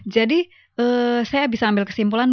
jadi saya bisa ambil kesimpulan